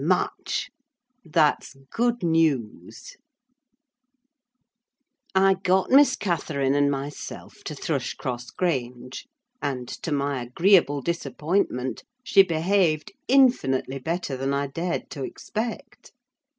"Much." "That's good news." I got Miss Catherine and myself to Thrushcross Grange; and, to my agreeable disappointment, she behaved infinitely better than I dared to expect.